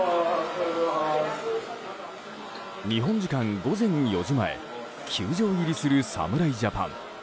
日本時間午前４時前球場入りする侍ジャパン。